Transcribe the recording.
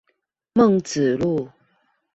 孟子路